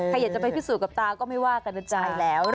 ใครอยากจะไปพิสูจน์กับตาก็ไม่ว่ากันนะจ๊ะ